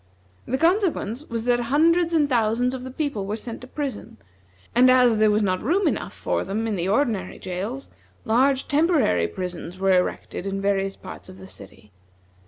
The consequence was that hundreds and thousands of the people were sent to prison, and as there was not room enough for them in the ordinary jails, large temporary prisons were erected in various parts of the city.